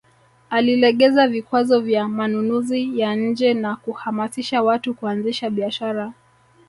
Alilegeza vikwazo vya manunuzi ya nje na kuhamasisha watu kuanzisha biashara